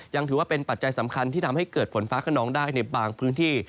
ยังถือว่าเป็นปัจจัยสำคัญที่ทำให้เกิดฝนฟ้าขนองได้ในบางพื้นที่